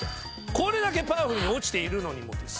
これだけパワフルに落ちているのにもです。